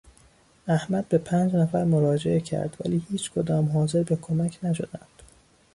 احمد به پنج نفر مراجعه کرد ولی هیچکدام حاضر به کمک نشدند.